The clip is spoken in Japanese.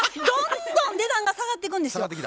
どんどん値段が下がってくんですよ。